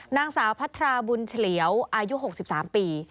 นางสาวพัทราบุญเฉลียวอายุ๖๓ปี